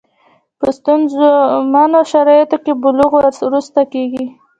په ستونزمنو شرایطو کې بلوغ وروسته کېږي.